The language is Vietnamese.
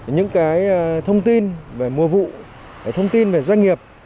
những thông tin về mùa vụ thông tin về doanh nghiệp